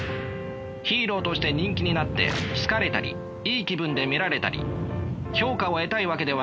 ヒーローとして人気になって好かれたりいい気分で見られたり評価を得たいわけではないのだから。